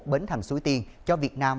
bến thành xuối tiên cho việt nam